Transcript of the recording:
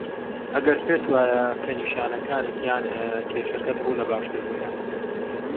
ئەگەر پێت وایه که نیشانەکانت یان کێشەکەت ڕوو له باشتربوونه